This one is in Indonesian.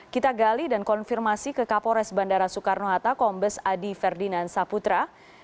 kita gali dan konfirmasi ke kapolres bandara soekarno hatta kombes adi ferdinand saputra